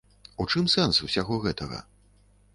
У чым сэнс усяго гэтага?